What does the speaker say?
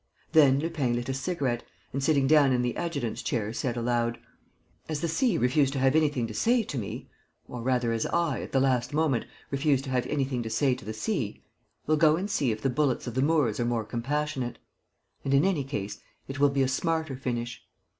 Then Lupin lit a cigarette and, sitting down in the adjutant's chair, said, aloud: "As the sea refused to have anything to say to me, or rather as I, at the last moment, refused to have anything to say to the sea, we'll go and see if the bullets of the Moors are more compassionate. And, in any case, it will be a smarter finish.